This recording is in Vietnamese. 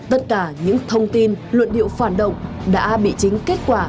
tất cả những thông tin luận điệu phản động đã bị chính kết quả